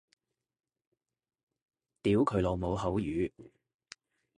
屌佢老母口語